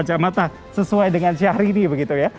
kaca mata sesuai dengan syahrini begitu ya